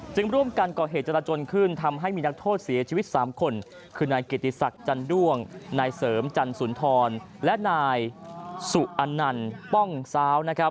ร่วมกันก่อเหตุจรจนขึ้นทำให้มีนักโทษเสียชีวิต๓คนคือนายเกียรติศักดิ์จันด้วงนายเสริมจันสุนทรและนายสุอนันป้องซาวนะครับ